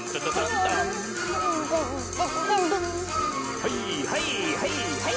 はいはいはいはい！